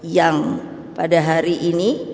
yang pada hari ini